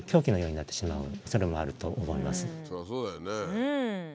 そりゃそうだよね。